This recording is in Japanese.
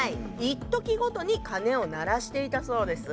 いっときごとに鐘を鳴らしていたそうです。